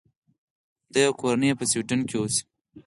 دی او کورنۍ یې په سویډن کې اوسي.